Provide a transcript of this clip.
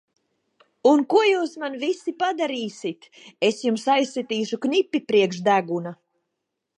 Un ko jūs man visi padarīsit! Es jums aizsitīšu knipi priekš deguna!